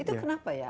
itu kenapa ya